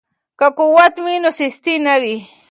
که قوت وي نو سستي نه وي.